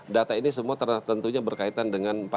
data ini semua tentunya berkaitan dengan